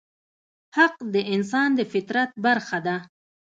حق د انسان د فطرت برخه ده.